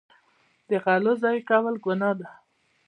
د غلو ضایع کول ګناه ده.